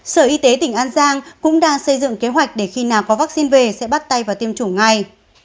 sở y tế tỉnh an giang cũng đang xây dựng kế hoạch để khi nào có vaccine về sẽ bắt tay vào tiêm chủng ngay